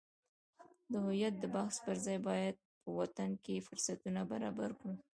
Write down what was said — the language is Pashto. د هویت د بحث پرځای باید په وطن کې فرصتونه برابر کړو.